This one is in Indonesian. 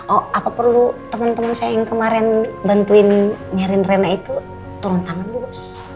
oh apa perlu teman teman saya yang kemarin bantuin nyiarin rena itu turun tangan dulu